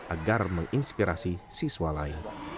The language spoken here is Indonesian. agar menginspirasi siswa lain